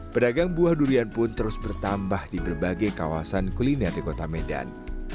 pedagang buah durian pun terus bertambah di berbagai kawasan kuliner di kota medan